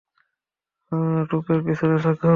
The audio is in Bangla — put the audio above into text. টেপের পিছনে থাকুন।